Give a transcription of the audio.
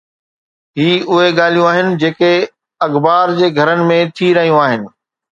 هي اهي ڳالهيون آهن جيڪي اغيار جي گهرن ۾ ٿي رهيون آهن؟